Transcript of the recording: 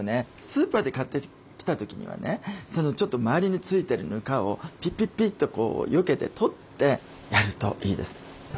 スーパーで買ってきた時にはねちょっと周りに付いてるぬかをピピピッとよけて取ってやるといいです。